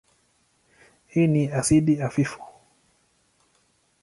Hii ni asidi hafifu.